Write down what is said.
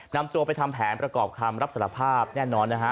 นำตัวไปทำแผนประกอบคำรับสารภาพแน่นอนนะฮะ